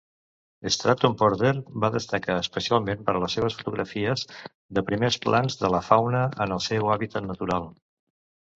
Stratton-Porter va destacar especialment per les seves fotografies de primers plans de la fauna en el seu hàbitat natural.